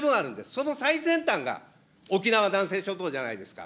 その最先端が沖縄・南西諸島じゃないですか。